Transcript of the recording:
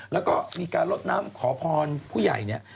แล้วก็มีการลดน้ำขอพรผู้ใหญ่เนี่ย